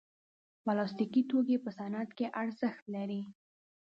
پلاستيکي توکي په صنعت کې ارزښت لري.